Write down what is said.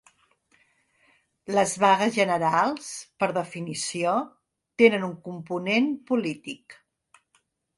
Les vagues generals, per definició, tenen un component polític.